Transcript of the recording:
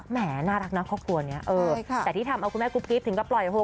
แม่น่ารักนะครอบครัวนี้แต่ที่ทำเอาคุณแม่กุ๊บกิ๊บถึงก็ปล่อยโฮ